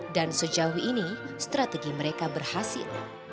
dan sejauh ini strategi mereka berhasil